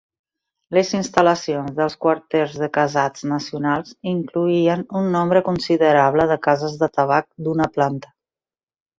Les instal·lacions dels quarters de casats nacionals incloïen un nombre considerable de "cases de tabac" d'una planta.